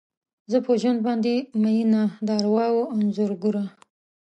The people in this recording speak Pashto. زه په ژوند باندې میینه، د ارواوو انځورګره